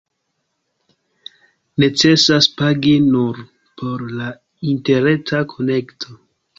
Necesas pagi nur por la interreta konekto.